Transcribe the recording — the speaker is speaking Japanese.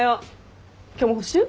今日も補習？